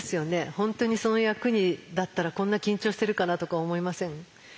本当にその役だったらこんな緊張してるかなとか思いません？